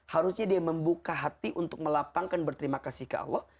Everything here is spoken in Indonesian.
harusnya dia membuka hati untuk melapangkan berterima kasih ke allah